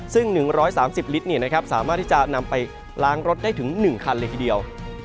ซึ่ง๑๓๐ลิตรสามารถที่จะนำไปล้างรถได้ถึง๑คันเลยทีเดียว